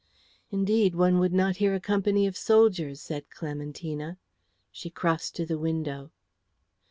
"Indeed, one would not hear a company of soldiers," said Clementina. She crossed to the window.